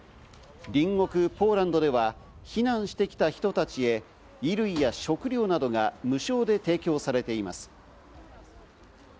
隣国ポーランドでは避難してきた人たちへ衣類や食料などが無償で提供されています。